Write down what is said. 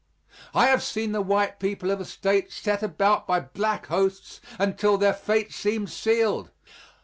I have seen the white people of a State set about by black hosts until their fate seemed sealed.